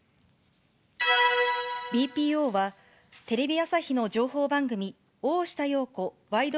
ＢＰＯは、テレビ朝日の情報番組、大下容子ワイド！